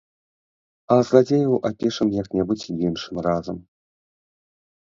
А зладзеяў апішам як-небудзь іншым разам.